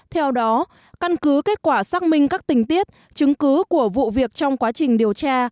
theo đó căn cứ kết quả xác minh các tình tiết chứng cứ của vụ việc trong quá trình điều tra